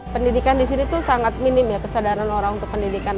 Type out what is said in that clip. pendidikan di sini tuh sangat minim ya kesadaran orang untuk pendidikan